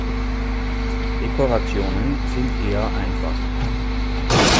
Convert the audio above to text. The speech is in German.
Dekorationen sind eher einfach.